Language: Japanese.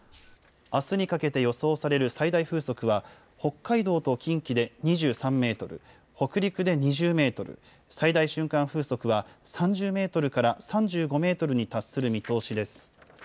あすにかけて予想される最大風速は、北海道と近畿で２３メートル、北陸で２０メートル、最大瞬間風速は３０メートルから３５メートルに達する見通しです。